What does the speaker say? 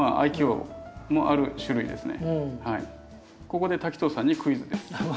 ここで滝藤さんにクイズです。